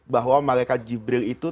bahwa malaikat jibril itu